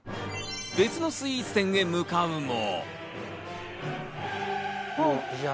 別のスイーツ店へ向かうも。